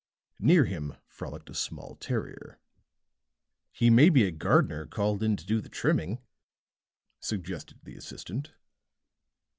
Near him frolicked a small terrier. "He may be a gardener called in to do the trimming," suggested the assistant.